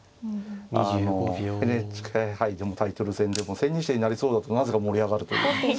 あのＮＨＫ杯でもタイトル戦でも千日手になりそうだとなぜか盛り上がるという。